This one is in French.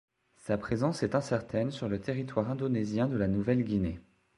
Sa présence est incertaine sur le territoire indonésien de la Nouvelle-Guinée.